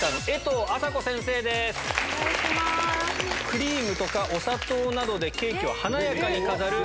クリームとかお砂糖などでケーキを華やかに飾る。